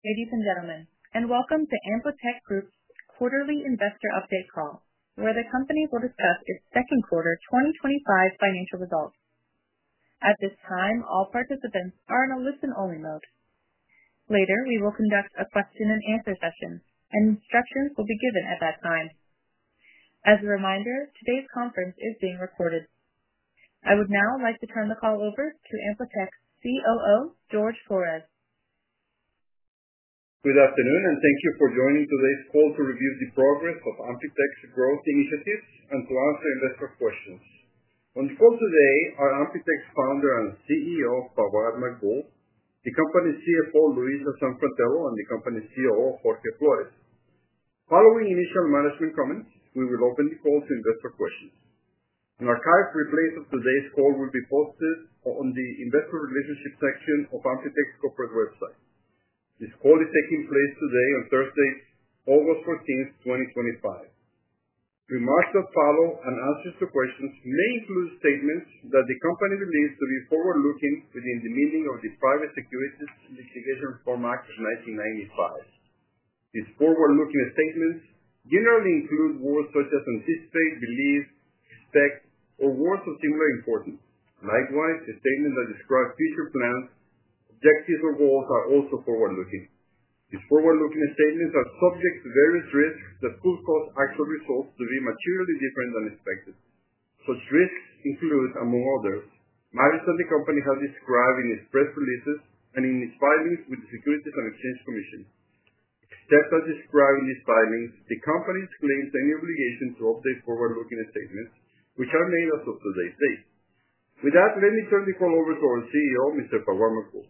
Ladies and gentlemen, welcome to AmpliTech Group Inc.'s Quarterly Investor Update Call, where the company will discuss its second quarter 2025 financial results. At this time, all participants are in a listen-only mode. Later, we will conduct a question-and-answer session, and instructions will be given at that time. As a reminder, today's conference is being recorded. I would now like to turn the call over to AmpliTech COO, Jorge Flores. Good afternoon, and thank you for joining today's call to review the progress of AmpliTech Group Inc.'s growth initiatives and to answer investor questions. On the call today are AmpliTech Group Inc.'s Founder and CEO, Fawad A. Maqbool, the company's CFO, Louisa Sanfratello, and the company's COO, Jorge Flores. Following initial management comments, we will open the call to investor questions. An archived replay of today's call will be posted on the investor relations section of AmpliTech Group Inc.'s corporate website. This call is taking place today on Thursday, August 14, 2025. Remarks that follow and answers to questions may include statements that the company believes to be forward-looking within the meaning of the Private Securities Litigation Reform Act of 1995. These forward-looking statements generally include words such as anticipate, believe, expect, or words of similar importance. Likewise, a statement that describes future plans, objectives, or goals is also forward-looking. These forward-looking statements are subject to various risks that could cause actual results to be materially different than expected. Such risks include, among others, matters that the company has described in its press releases and in its filings with the Securities and Exchange Commission. Except as described in these filings, the company excludes any obligation to update forward-looking statements, which are made as of today's date. With that, let me turn the call over to our CEO, Mr. Fawad A. Maqbool.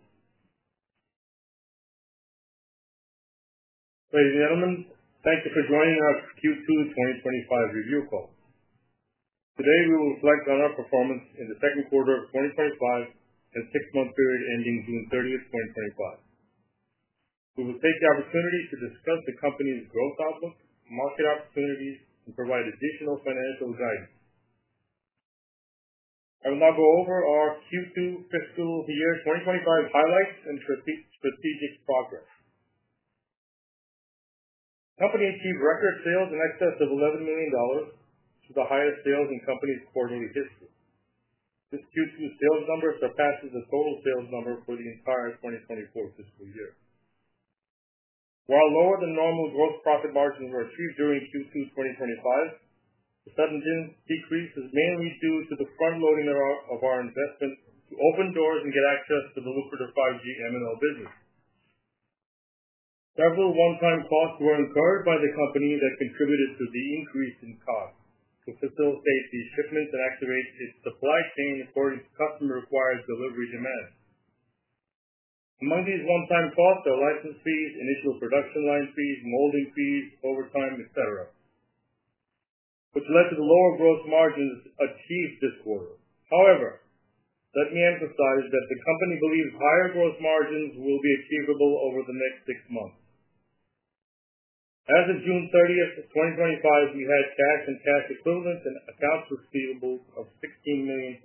Ladies and gentlemen, thank you for joining our QC 2025 review call. Today, we will reflect on our performance in the second quarter of 2025 and the six-month period ending June 30, 2025. We will take the opportunity to discuss the company's growth outlook, market opportunities, and provide additional financial guidance. I will now go over our QC fiscal year 2025 highlights and strategic progress. The company achieved record sales in excess of $11 million, the highest sales in the company's quarterly history. This QC sales number surpasses the total sales number for the entire 2024 fiscal year. While lower than normal gross profit margins were achieved during QC 2025, the sudden decrease is mainly due to the front-loading of our investment to open doors and get access to the lucrative 5G MNO business. Several one-time costs were incurred by the company that contributed to the increase in cost to facilitate the shipment and activate its supply chain according to customer-required delivery demands. Among these one-time costs are license fees, initial production line fees, molding fees, overtime, etc., which led to the lower gross margins achieved this quarter. However, let me emphasize that the company believes higher gross margins will be achievable over the next six months. As of June 30, 2025, we had cash and cash equivalents and accounts receivables of $16,423,000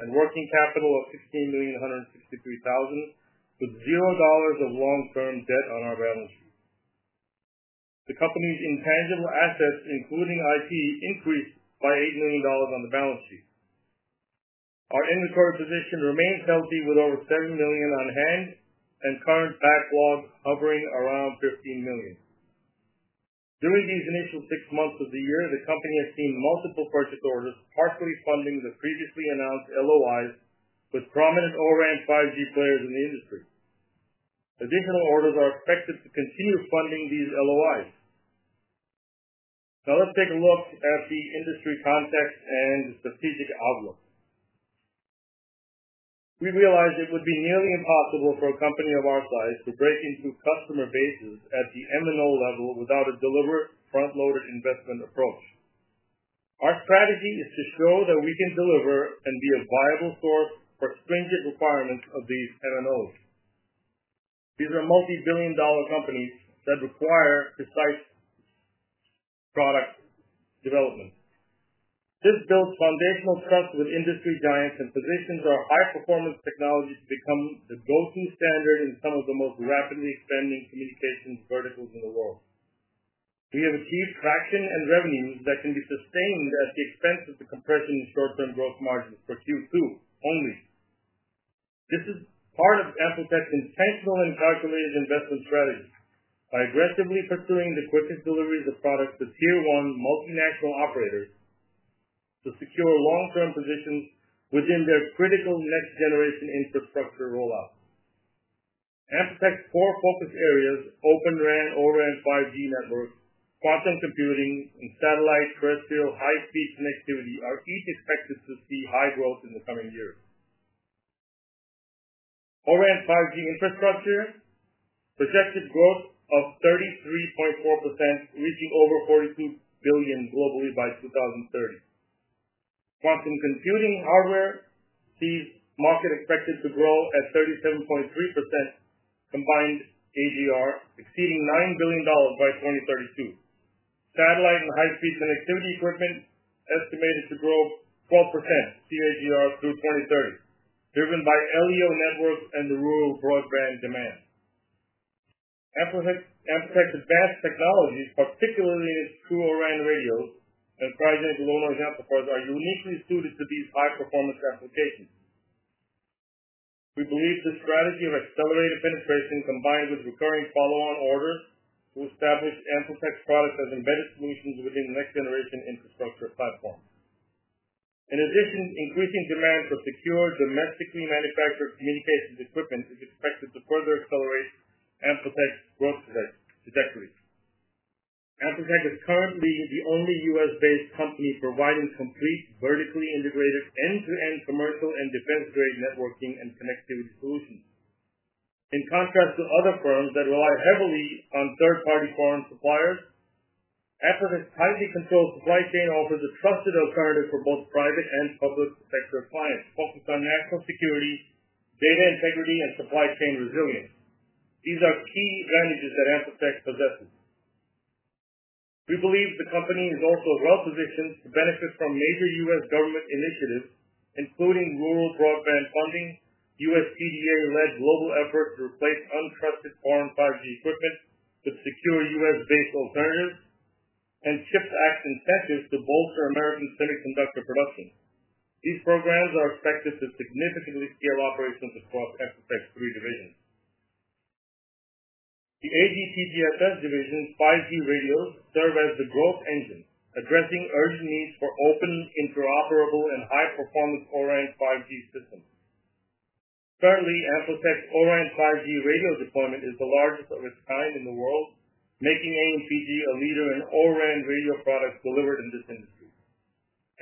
and working capital of $15,163,000, with $0 of long-term debt on our balance sheet. The company's intangible assets, including IT, increased by $8 million on the balance sheet. Our inventory position remains healthy, with over $30 million on hand and current backlog hovering around $15 million. During these initial six months of the year, the company has seen multiple purchase orders partially funding the previously announced LOIs with prominent ORAN 5G players in the industry. Additional orders are expected to continue funding these LOIs. Now let's take a look at the industry context and the strategic outlook. We realized it would be nearly impossible for a company of our size to break into customer bases at the MNO level without a deliberate front-loaded investment approach. Our strategy is to show that we can deliver and be a viable source for stringent requirements of these MNOs. These are multi-billion dollar companies that require precise product development. This builds foundational trust with industry giants and positions our high-performance technologies to become the go-to standard in some of the most rapidly spending communications verticals in the world. We have achieved traction and revenues that can be sustained at the expense of the compression in short-term growth margins for Q2 only. This is part of AmpliTech Group Inc.'s intentional and calculated investment strategy. By aggressively pursuing the quickest deliveries of products to Tier 1 MNOs to secure long-term positions within their critical next-generation infrastructure rollout, AmpliTech Group Inc.'s four focus areas—ORAN, ORAN 5G network, quantum computing, and satellite terrestrial high-speed connectivity—are each expected to see high growth in the coming year. ORAN 5G infrastructure projected growth of 33.4%, reaching over $43 billion globally by 2030. Quantum computing hardware sees market expected to grow at 37.3% CAGR, exceeding $9 billion by 2032. Satellite and high-speed connectivity equipment is estimated to grow 12% CAGR through 2030, driven by LEO networks and the rural broadband demand. AmpliTech Group Inc.'s advanced technologies, particularly its two ORAN 5G radios and cryogenic low-noise amplifiers, are uniquely suited to these high-performance applications. We believe the strategy of accelerated penetration combined with recurring follow-on order will establish AmpliTech Group Inc.'s products as embedded solutions within the next-generation infrastructure platform. In addition, increasing demand for secure domestically manufactured communications equipment is expected to further accelerate AmpliTech Group Inc.'s growth trajectory. AmpliTech Group Inc. is currently the only U.S.-based company providing complete, vertically integrated, end-to-end commercial and defense-grade networking and connectivity solutions. In contrast to other firms that rely heavily on third-party foreign suppliers, AmpliTech Group Inc.'s tightly controlled supply chain offers a substantive alternative for both private and public sector clients focused on national security, data integrity, and supply chain resilience. These are key advantages that AmpliTech Group Inc. possesses. We believe the company is also well-positioned to benefit from major U.S. government initiatives, including rural broadband funding, U.S. CDA-led global efforts to replace untrusted foreign 5G equipment with secure U.S.-based alternatives, and CHIPS Act incentives to bolster American semiconductor production. These programs are expected to significantly scale operations across AmpliTech Group Inc.'s three divisions. The AGCGFS division's 5G radios serve as the growth engine, addressing urgent needs for open, interoperable, and high-performance ORAN 5G systems. Currently, AmpliTech Group Inc.'s ORAN 5G radio deployment is the largest of its kind in the world, making AmpliTech Group Inc. a leader in ORAN radio products delivered in this industry.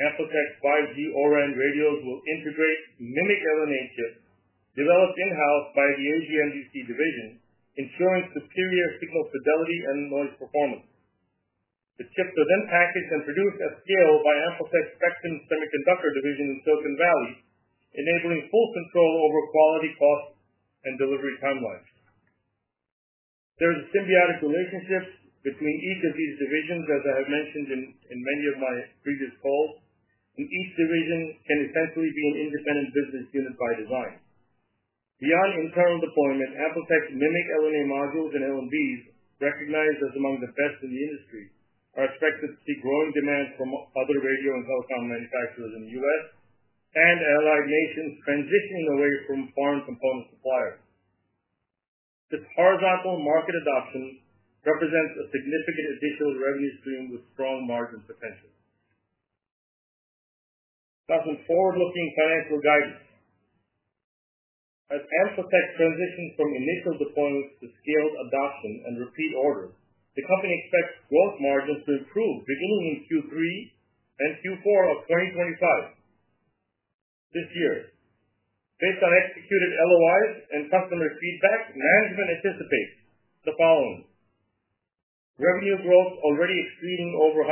AmpliTech Group Inc.'s 5G ORAN radios will integrate MMIC LNA chips, developed in-house by the NGNDC division, ensuring superior signal fidelity and large performance. The chips are then packaged and produced at scale by AmpliTech Group Inc.'s Spectrum Semiconductor division in Silicon Valley, enabling full control over quality, cost, and delivery timelines. There is a symbiotic relationship between each of these divisions, as I have mentioned in many of my previous calls, and each division can essentially be an independent business unit by design. Beyond internal deployment, AmpliTech Group Inc.'s MMIC LNA modules and LNBs, recognized as among the best in the industry, are expected to see growing demands from other radio and telecom manufacturers in the United States and allied nations transitioning away from foreign component suppliers. The power of ample market adoption represents a significant additional revenue stream with strong margin potential. Now, some forward-looking financial guidance. As AmpliTech Group Inc. transitions from initial deployments to scaled adoption and repeat orders, the company expects gross margins to improve beginning in Q3 and Q4 of 2025. This year, based on executed LOIs and customer feedback, management anticipates the following: revenue growth already exceeding 100%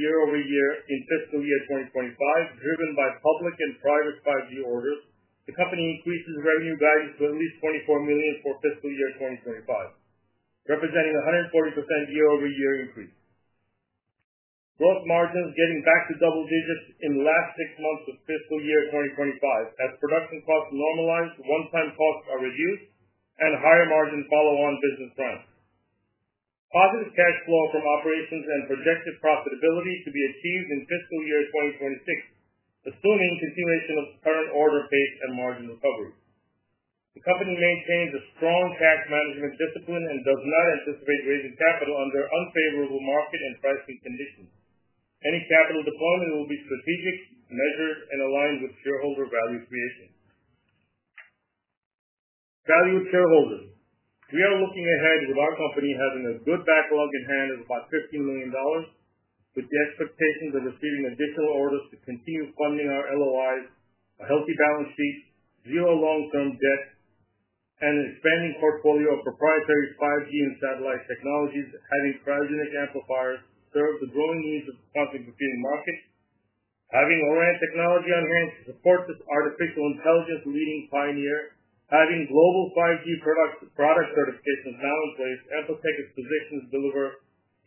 year-over-year in fiscal year 2025, driven by public and private 5G orders. The company increases revenue guidance to at least $24 million for fiscal year 2025, representing a 140% year-over-year increase. Gross margins getting back to double digits in the last six months of fiscal year 2025, as production costs normalize, one-time costs are reduced, and higher margin follow-on business runs. Positive cash flow from operations and projected profitability should be achieved in fiscal year 2026, assuming continuation of current order pace and margin recovery. The company maintains a strong cash management discipline and does not anticipate raising capital under unfavorable market and pricing conditions. Any capital deployment will be strategic, measured, and aligned with shareholder value creation. Valued shareholders, we are looking ahead with our company having a good backlog in hand of about $15 million, with the expectations of receiving additional orders to continue funding our LOIs, a healthy balance sheet, zero long-term debts, and an expanding portfolio of proprietary 5G and satellite technologies, adding cryogenic low-noise amplifiers to serve the growing needs of quantum computing markets. Having ORAN technology on hand to support this artificial intelligence leading pioneer, having global 5G product certifications now in place, AmpliTech Group Inc. is positioned to deliver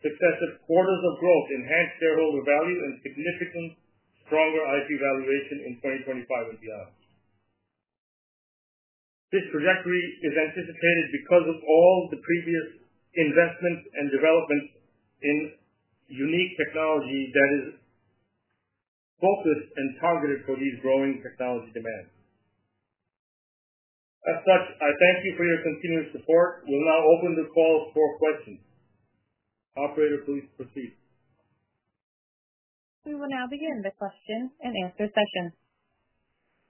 successive quarters of growth, enhanced shareholder value, and significantly stronger IP valuation in 2025 and beyond. This trajectory is anticipated because of all the previous investments and developments in unique technology that is focused and targeted for these growing technology demands. As such, I thank you for your continued support. We will now open the call for questions. Operator, please proceed. We will now begin the question-and-answer session.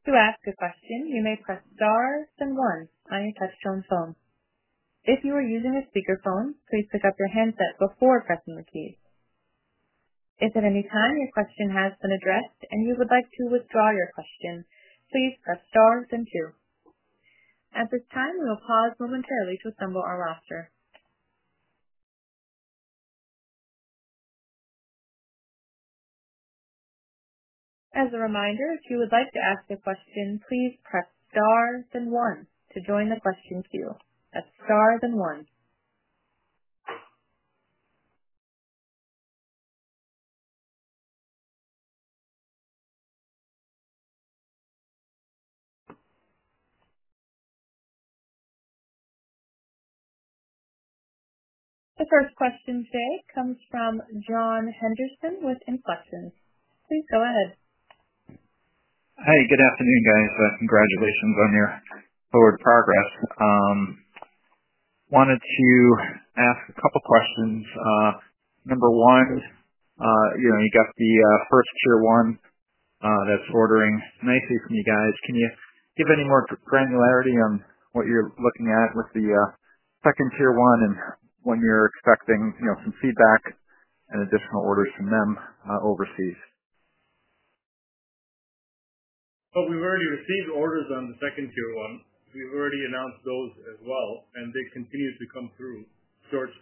To ask a question, you may press star and one on your touch-tone phone. If you are using a speakerphone, please pick up your handset before pressing the key. If at any time your question has been addressed and you would like to withdraw your question, please press star and two. At this time, we will pause momentarily to assemble our roster. As a reminder, if you would like to ask a question, please press star and one to join the question queue. Star and one. The first question today comes from John Brien Henderson with Inflection Point Investing LLC. Please go ahead. Hi, good afternoon, guys. Congratulations on your forward progress. I wanted to ask a couple of questions. Number one, you know, you got the first Tier 1 MNO that's ordering nicely from you guys. Can you give any more granularity on what you're looking at with the second Tier 1 MNO and when you're expecting some feedback and additional orders from them, overseas? We've already received orders on the second Tier 1 MNO. We've already announced those as well, and they continue to come through. Jorge,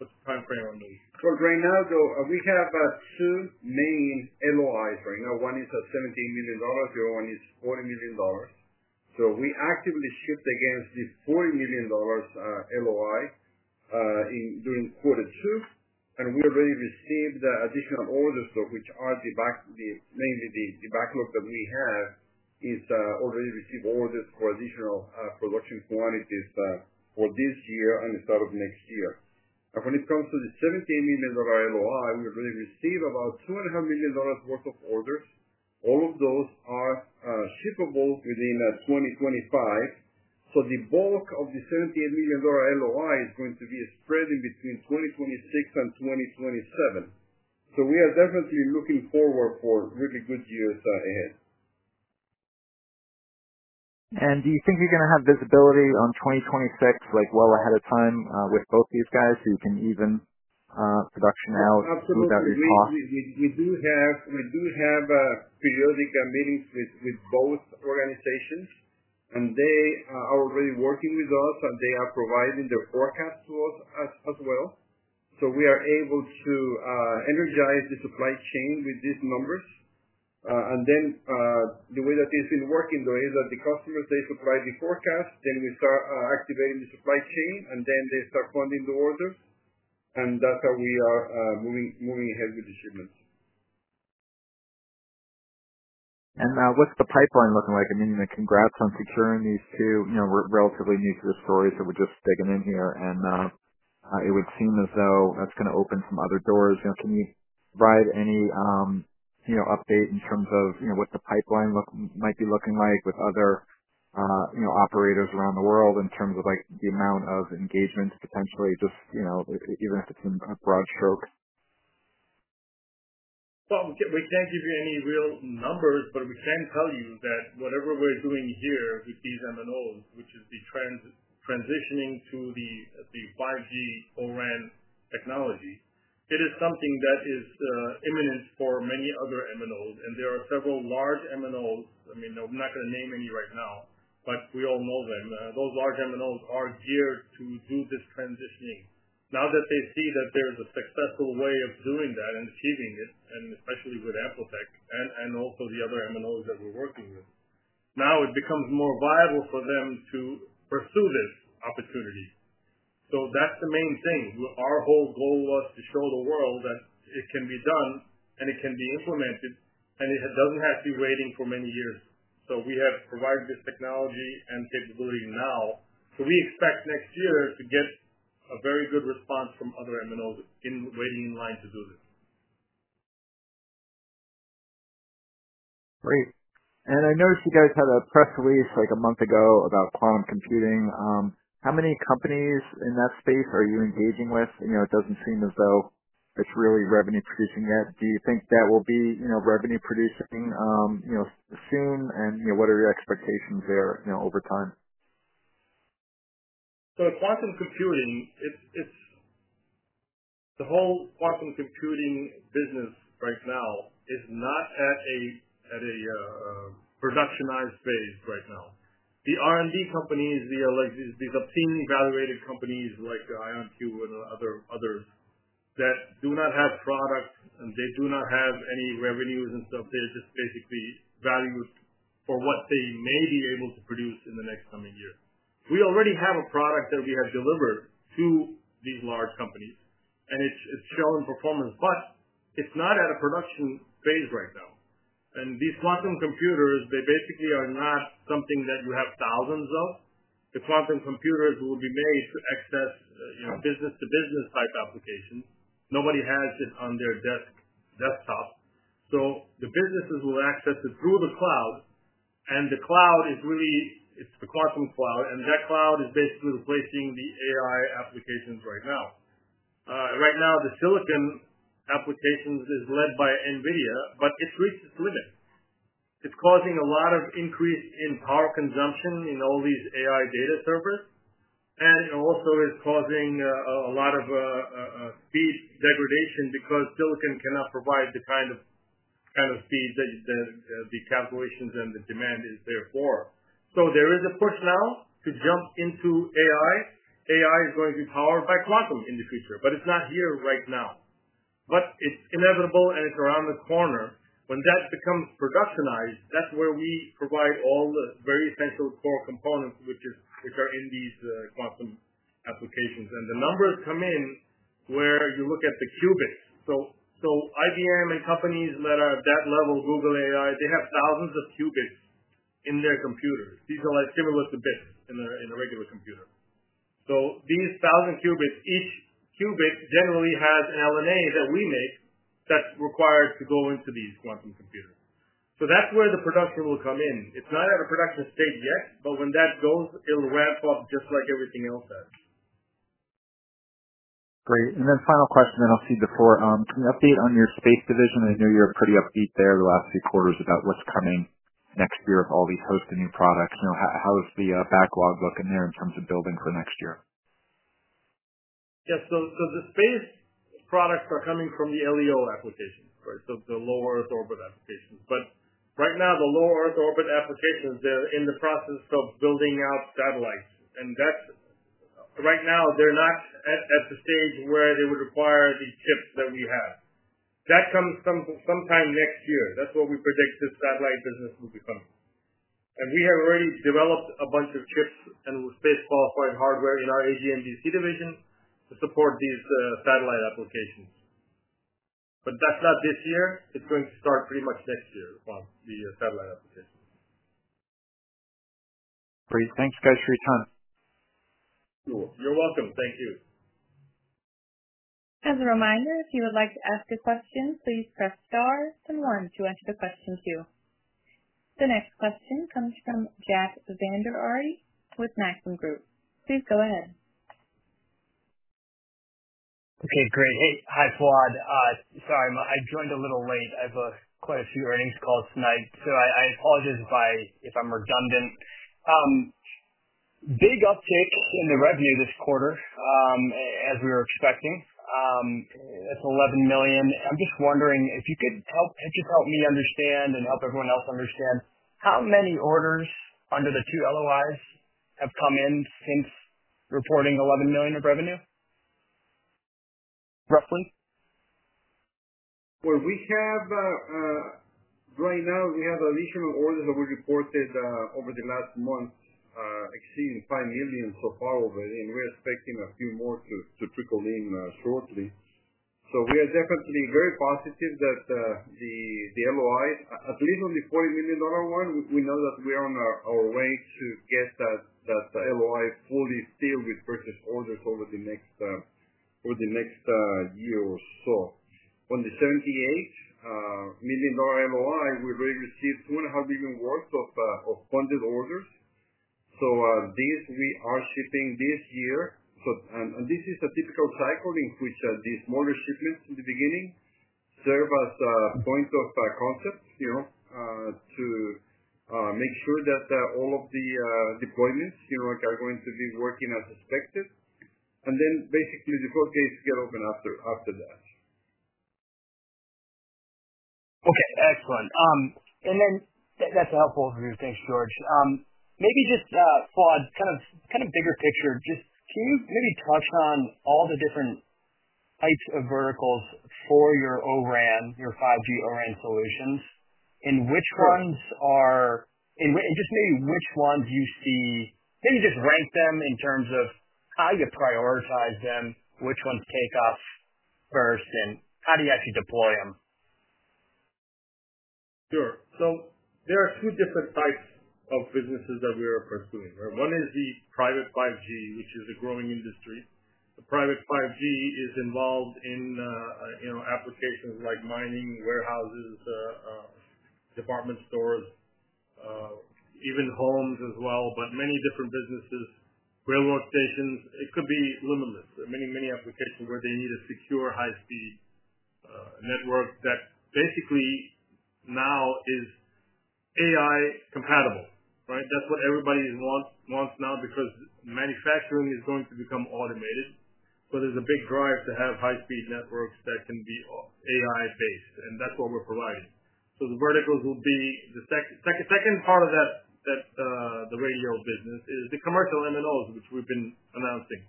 what's the timeframe on these? For right now, we have two main LOIs right now. One is a $17 million, the other one is $40 million. We actively shipped against this $40 million LOI during quarter two, and we already received the additional orders, which are the backlog that we have, already received orders for additional production quantities for this year and the start of next year. When it comes to the $17 million LOI, we already received about $2.5 million worth of orders. All of those are shippable within 2025. The bulk of the $17 million LOI is going to be spreading between 2026 and 2027. We are definitely looking forward for really good years ahead. Do you think you're going to have visibility on 2026 well ahead of time with both these guys so you can even production out without any cost? Absolutely. We do have periodic meetings with both organizations, and they are already working with us, and they are providing the forecast to us as well. We are able to energize the supply chain with these numbers. The way that it's been working is that the customers supply the forecast, then we start activating the supply chain, and then they start funding the orders. That's how we are moving ahead with the shipments. What's the pipeline looking like? Congrats on securing these two. We're relatively new to the story, so we're just digging in here. It would seem as though that's going to open some other doors. Can you provide any update in terms of what the pipeline might be looking like with other operators around the world in terms of the amount of engagement, potentially even if it's in a broad stroke? We can't give you any real numbers, but we can tell you that whatever we're doing here with these MNOs, which is the transitioning to the 5G ORAN technology, it is something that is imminent for many other MNOs. There are several large MNOs. I'm not going to name any right now, but we all know them. Those large MNOs are geared to do this transitioning. Now that they see that there is a successful way of doing that and achieving it, and especially with AmpliTech and also the other MNOs that we're working with, it becomes more viable for them to pursue this opportunity. That's the main thing. Our whole goal was to show the world that it can be done, and it can be implemented, and it doesn't have to be waiting for many years. We have provided this technology and capability now. We expect next year to get a very good response from other MNOs waiting in line to do this. Great. I noticed you guys had a press release like a month ago about quantum computing. How many companies in that space are you engaging with? It doesn't seem as though it's really revenue-producing yet. Do you think that will be revenue-producing soon? What are your expectations there over time? Quantum computing, the whole quantum computing business right now is not at a productionized phase. The R&D companies, like these obscene valuated companies like IonQ and others, do not have products, and they do not have any revenues and stuff, they're just basically valued for what they may be able to produce in the next coming year. We already have a product that we have delivered to these large companies, and it's showing performance, but it's not at a production phase right now. These quantum computers basically are not something that you have thousands of. The quantum computers will be made to access business-to-business type applications. Nobody has it on their desktop. The businesses will access it through the cloud, and the cloud is really the quantum cloud, and that cloud is basically replacing the AI applications right now. Right now, the silicon applications are led by NVIDIA, but it's reached its limit. It's causing a lot of increase in power consumption in all these AI data servers, and it also is causing a lot of speed degradation because silicon cannot provide the kind of speed that you said the calculations and the demand is there for. There is a push now to jump into AI. AI is going to be powered by quantum in the future, but it's not here right now. It's inevitable, and it's around the corner. When that becomes productionized, that's where we provide all the very essential core components, which are in these quantum applications. The numbers come in where you look at the qubits. IBM and companies that are at that level, Google AI, they have thousands of qubits in their computers. These are similar to bits in a regular computer. These thousand qubits, each qubit generally has an LNA that we make that's required to go into these quantum computers. That's where the production will come in. It's not at a production stage yet, but when that goes, it'll ramp up just like everything else has. Great. Final question I don't see before. Can you update on your space division? I know you're pretty upbeat there the last few quarters about what's coming next year with all these hosting new products. How is the backlog looking there in terms of building for next year? Yeah, the space products are coming from the LEO applications, right? The low Earth orbit applications are in the process of building out satellites right now. Right now, they're not at the stage where they would require these chips that we have. That comes sometime next year. That's what we predict the satellite business will become. We have already developed a bunch of chips and space qualifying hardware in our AGCGFS division to support these satellite applications. That's not this year. It's going to start pretty much next year about the satellite application. Great. Thank you guys for your time. You're welcome. Thank you. As a reminder, if you would like to ask a question, please press star and one to enter the question queue. The next question comes from Jack Vander Aarde with Maxim Group LLC. Please go ahead. Okay, great. Hi, Fawad. Sorry, I joined a little late. I have quite a few earnings calls tonight, so I apologize if I'm redundant. Big uptick in the revenue this quarter, as we were expecting. It's $11 million. I'm just wondering if you could help, just help me understand and help everyone else understand how many orders under the two Letters of Intent have come in since reporting $11 million of revenue, roughly? Right now, we have additional orders that were reported over the last month, exceeding $5 million so far, and we're expecting a few more to trickle in shortly. We are definitely very positive that the LOI, at least on the $40 million one, we know that we are on our way to get that LOI fully filled with purchase orders over the next year or so. On the $78 million LOI, we already received $2.5 million worth of funded orders. These we are shipping this year. This is a typical cycle in which these smaller shipments in the beginning serve as a point of concept to make sure that all of the deployments are going to be working as expected. Basically, the core cases get open after that. Okay, excellent. That's a helpful overview. Thanks, Jorge. Maybe just, Fawad, kind of bigger picture, can you really touch on all the different types of verticals for your ORAN, your 5G ORAN solutions? Which ones are, and maybe which ones you see, maybe just rank them in terms of how you prioritize them, which ones take off first, and how do you actually deploy them? Sure. There are two different types of businesses that we are pursuing. One is the private 5G, which is a growing industry. The private 5G is involved in applications like mining, warehouses, department stores, even homes as well, but many different businesses, railroad stations. It could be luminous, many, many applications where they need a secure, high-speed network that basically now is AI compatible, right? That's what everybody wants now because manufacturing is going to become automated. There's a big drive to have high-speed networks that can be AI-based, and that's what we're providing. The verticals would be the second part of that, the radio business is the commercial MNOs, which we've been announcing.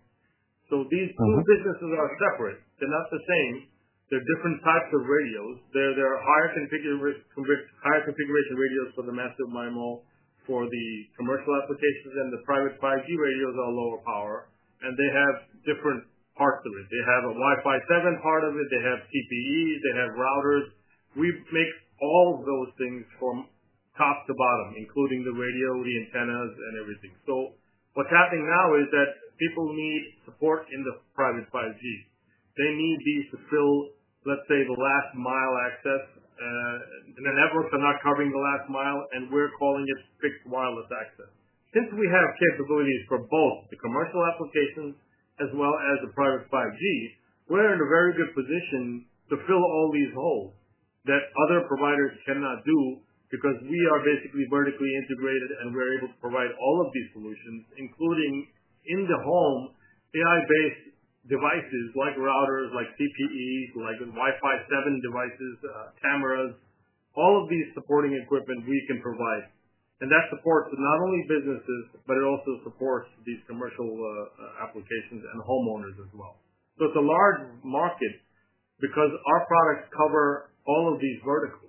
These two businesses are separate. They're not the same. They're different types of radios. They're higher configuration radios for the massive MIMO for the commercial applications, and the private 5G radios are lower power, and they have different parts of it. They have a Wi-Fi 7 part of it. They have CPE. They have routers. We mix all of those things from top to bottom, including the radio, the antennas, and everything. What's happening now is that people need support in the private 5G. They need these to fill, let's say, the last mile access, and the networks are not covering the last mile, and we're calling it fixed wireless access. Since we have capabilities for both the commercial application as well as the private 5G, we're in a very good position to fill all these holes that other providers cannot do because we are basically vertically integrated, and we're able to provide all of these solutions, including in the home, AI-based devices like routers, like PPE, like Wi-Fi 7 devices, cameras, all of these supporting equipment we can provide. That supports not only businesses, but it also supports these commercial applications and homeowners as well. It's a large market because our products cover all of these verticals,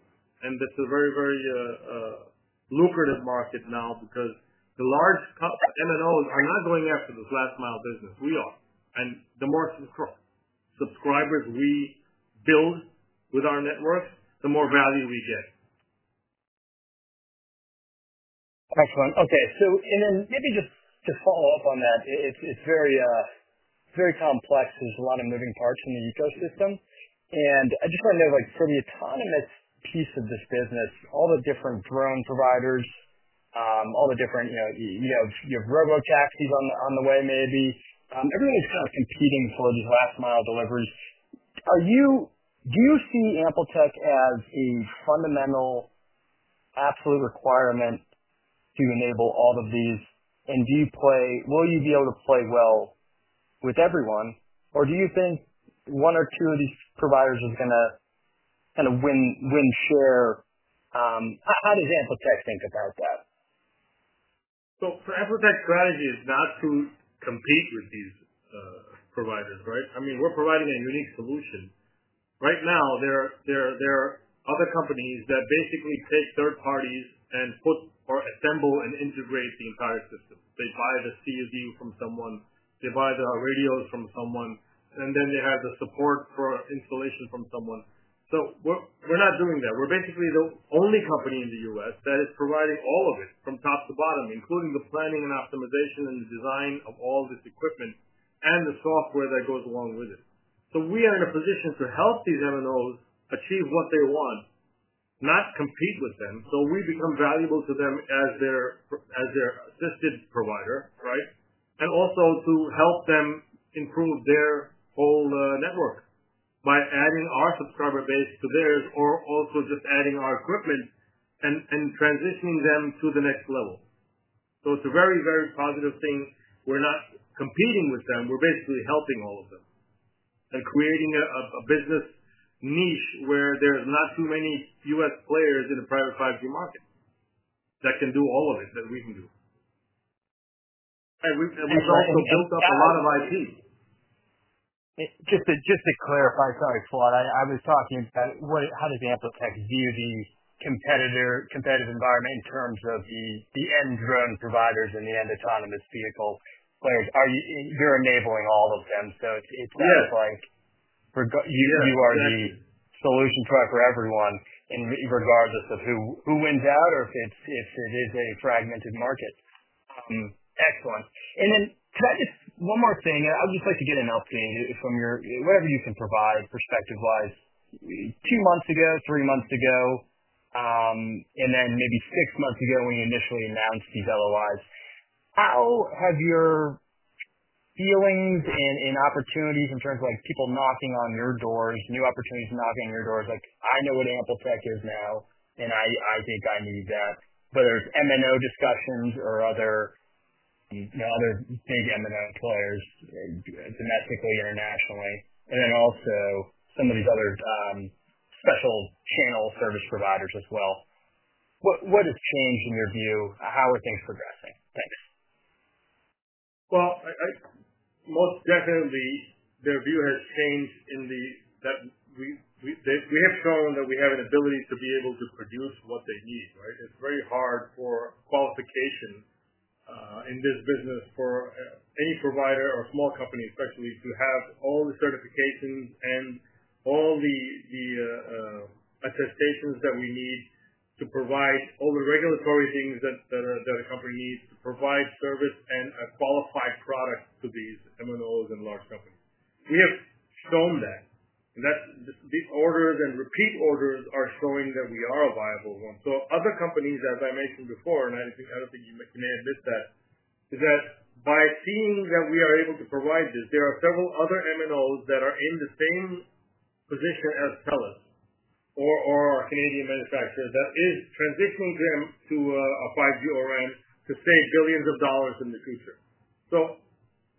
and it's a very, very lucrative market now because the large MNOs are not going after the last mile business. We are. The more subscribers we build with our network, the more value we get. Excellent. Okay. Maybe just to follow up on that, it's very complex because there's a lot of moving parts in the ecosystem. I just want to know, for the autonomous piece of this business, all the different drone providers, all the different, you know, you have robotaxis on the way maybe. Everybody's not competing for these last mile deliveries. Do you see AmpliTech Group Inc. as a fundamental absolute requirement to enable all of these? Do you play, will you be able to play well with everyone? Or do you think one or two of these providers is going to kind of win, win, share? How does AmpliTech Group Inc. think about that? AmpliTech's strategy is not to compete with these providers, right? I mean, we're providing a unique solution. Right now, there are other companies that basically take third parties and assemble and integrate the entire system. They buy the CFU from someone, they buy the radios from someone, and then they have the support for installation from someone. We're not doing that. We're basically the only company in the U.S. that is providing all of it from top to bottom, including the planning and optimization and the design of all of this equipment and the software that goes along with it. We are in a position to help these MNOs achieve what they want, not compete with them. We become valuable to them as their assistance provider, right? Also, we help them improve their whole network by adding our subscriber base to theirs or just adding our equipment and transitioning them to the next level. It's a very, very positive thing. We're not competing with them. We're basically helping all of them and creating a business niche where there are not too many U.S. players in the private 5G market that can do all of it that we can do. All right. We have also built up a lot of IP. Just to clarify, sorry, Fawad, I was talking about how does AmpliTech view the competitive environment in terms of the end drone providers and the end autonomous vehicles? You're enabling all of them. It's almost like you are the solution for everyone regardless of who wins out or if it is a fragmented market. Excellent. Provide us one more thing. I would just like to get an update from your, whatever you can provide perspective-wise, two months ago, three months ago, and then maybe six months ago when you initially announced these LOIs. How have your feelings and opportunities in terms of like people knocking on your doors, new opportunities knocking on your doors, like I know what AmpliTech is now, and I think I need that, whether it's MNO discussions or other things, MNO players domestically or nationally, and also some of these other special channel service providers as well. What has changed in your view? How are things progressing? Thanks. Their view has changed in that we have shown that we have an ability to be able to produce what they need, right? It's very hard for qualification in this business for any provider or small company, especially to have all the certifications and all the attestations that we need to provide all the regulatory things that a company needs to provide service and a qualified product to these MNOs and large companies. We have shown that. These orders and repeat orders are showing that we are a viable one. Other companies, as I mentioned before, and I don't think you may have missed that, is that by seeing that we are able to provide this, there are several other MNOs that are in the same position as TELUS or our Canadian manufacturer that is transitioning them to a 5G ORAN to save billions of dollars in the future.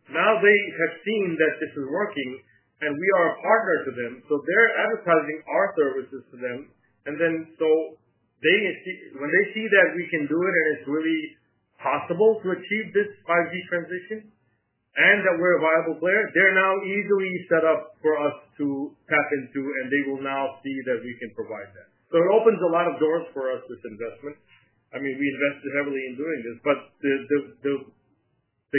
Now they have seen that this is working, and we are a partner to them. They're advertising our services to them. When they see that we can do it and it's really possible to achieve this 5G transition and that we're a viable player, they're now easily set up for us to tap into, and they will now see that we can provide that. It opens a lot of doors for us, this investment. I mean, we invested heavily in doing this, but the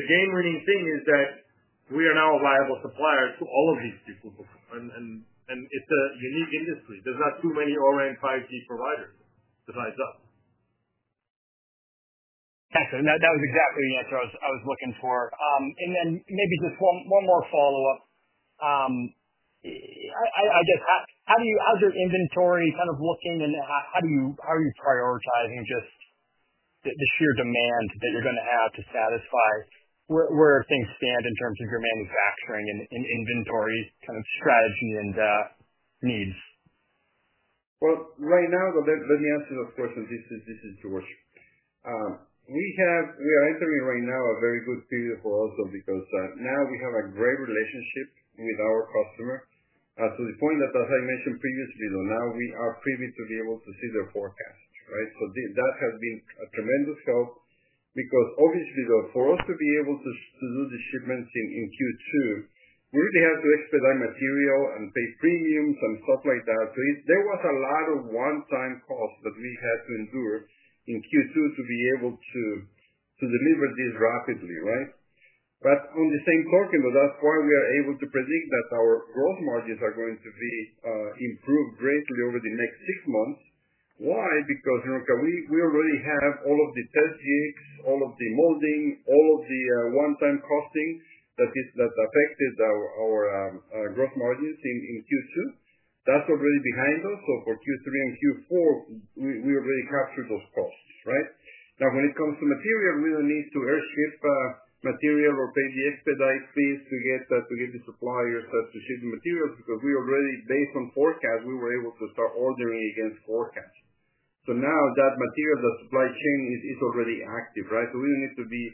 game-winning thing is that we are now a viable supplier to all of these people. It's a unique industry. There's not too many ORAN 5G providers besides us. Excellent. That was exactly the answer I was looking for. Maybe just one more follow-up. I guess, how do you, how's your inventory kind of looking? How are you prioritizing just the sheer demand that we're going to have to satisfy where things stand in terms of your manufacturing and inventory strategy and needs? Right now, let me answer this question. This is Jorge. We are entering a very good period for us because now we have a great relationship with our customers to the point that, as I mentioned previously, now we are privy to be able to see their forecast, right? That has been a tremendous help because, obviously, for us to be able to do the shipments in Q2, we really had to expedite material and pay premiums and stuff like that. There was a lot of one-time costs that we had to endure in Q2 to be able to deliver this rapidly, right? On the same token, that's why we are able to predict that our gross margins are going to be improved greatly over the next six months. Why? Because we already have all of the test units, all of the molding, all of the one-time costing that affected our gross margins in Q2. That's already behind us. For Q3 and Q4, we already captured those costs, right? When it comes to material, we don't need to airship material or pay the expedite fees to get the suppliers to ship the materials because we already, based on forecast, were able to start ordering against forecast. Now that material, that supply chain is already active, right? We don't need to be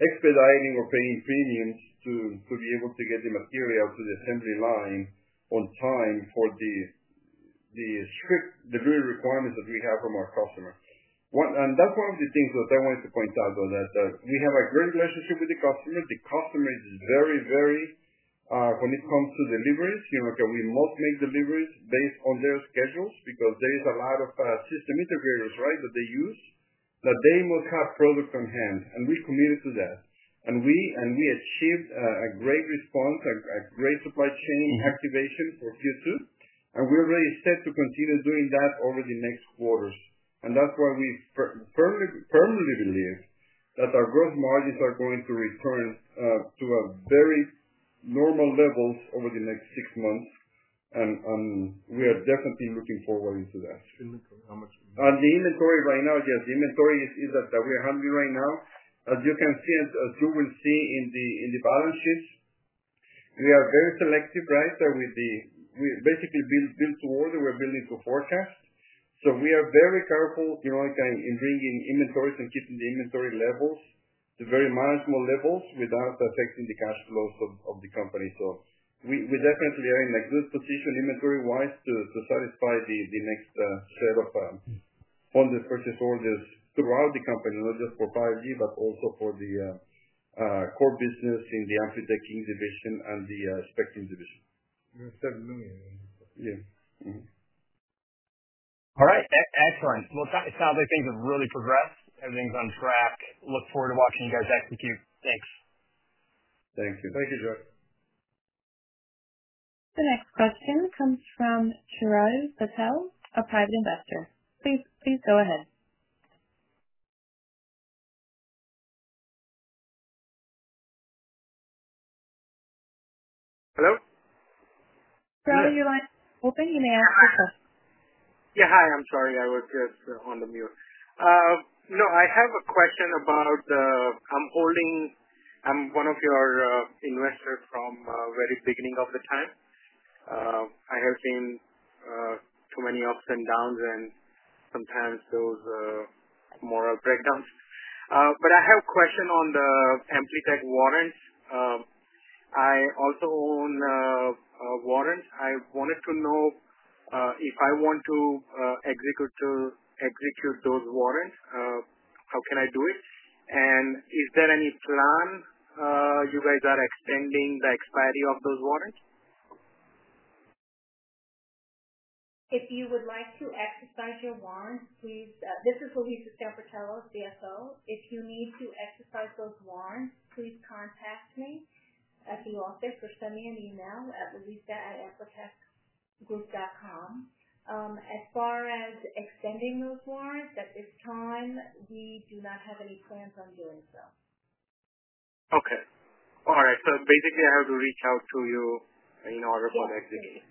expediting or paying premiums to be able to get the material to the assembly line on time for the strict delivery requirements that we have from our customers. That's one of the things that I wanted to point out on that. We have a great relationship with the customer. The customer is very, very, when it comes to deliveries, you know, can we make deliveries based on their schedules because there is a lot of system integrators, right, that they use that they must have products on hand. We committed to that. We achieved a great response, a great supply chain activation for Q2. We're really set to continue doing that over the next quarters. That's why we firmly believe that our gross margins are going to return to a very normal level over the next six months. We are definitely looking forward to that. The inventory right now, yes, the inventory is that we're handling right now. As you can see, as you can see in the balance sheets, we are very selective, right? We basically build to order. We're building to forecast. We are very careful, you know, like in bringing inventories and keeping the inventory levels to very manageable levels without affecting the cash flows of the company. We definitely are in a good position inventory-wise to satisfy the next set of purchase orders throughout the company, not just for 5G, but also for the core business in the AmpliTech King division and the Spectrum Semiconductor division. We're still moving. Yeah. All right. Excellent. It sounds like things have really progressed. Everything's on track. Look forward to watching you guys execute. Thanks. Thank you. Thank you, Jorge. The next question comes from Raj Patel, a private investor. Please go ahead. Hello? We can hear you. Yeah, hi. I'm sorry. I was just on mute. I have a question about, I'm holding, I'm one of your investors from the very beginning of the time. I have seen too many ups and downs, and sometimes those, more breakdowns. I have a question on the AmpliTech warrants. I also own warrants. I wanted to know, if I want to execute those warrants, how can I do it? Is there any plan you guys are extending the expiry of those warrants? If you would like to exercise your warrants, please, this is Louisa Sanfratello, CFO. If you need to exercise those warrants, please contact me at the office or send me an email at louisa@amplitechgroup.com. As far as extending those warrants, at this time, we do not have any plans on doing so. Okay. All right. I have to reach out to you in order for an execution.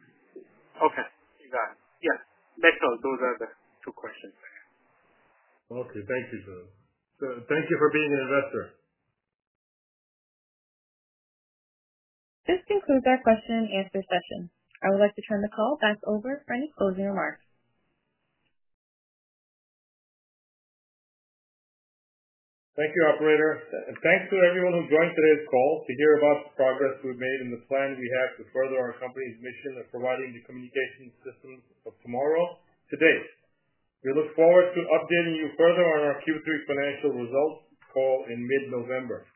Okay, you got it. Thanks, those are the two questions. Okay. Thank you, Raj. Thank you for being an investor. This concludes our question-and answer session. I would like to turn the call back over for any closing remarks. Thank you, operator. Thank you to everyone who joined today's call to hear about the progress we've made and the plan we have to further our company's mission of providing the communication systems of tomorrow, today. We look forward to updating you further on our Q3 financial results call in mid-November.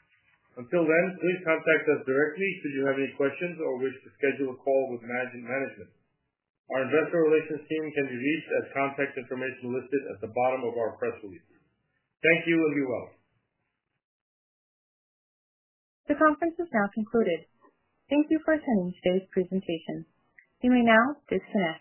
Until then, please contact us directly should you have any questions or wish to schedule a call with management. Our investor relations team can be reached at the contact information listed at the bottom of our press release. Thank you and be well. The conference is now concluded. Thank you for attending today's presentation. You may now disconnect.